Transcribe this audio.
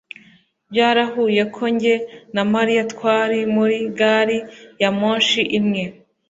byarahuye ko njye na mariya twari muri gari ya moshi imwe